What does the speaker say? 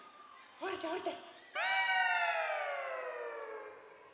おりておりて！